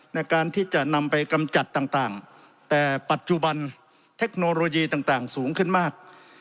ในการที่จะนำไปกำจัดต่างแต่ปัจจุบันเทคโนโลยีต่างสูงขึ้นมาก